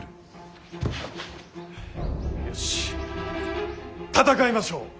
よし戦いましょう。